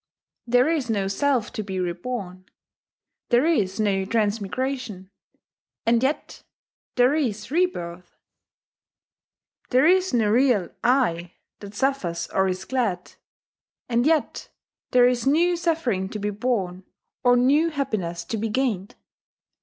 There is no Self to be reborn; there is no transmigration and yet there is rebirth! There is no real "I" that suffers or is glad and yet there is new suffering to be borne or new happiness to be gained!